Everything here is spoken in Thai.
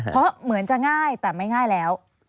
เพราะเหมือนจะง่ายแต่ไม่ง่ายแล้ว